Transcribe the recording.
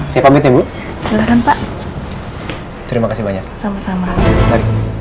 saya pamit ibu silakan pak terima kasih banyak sama sama